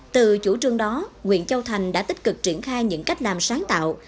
từ chủ trương đó nguyện châu thành đã tích cực triển khai những cách làm sáng tạo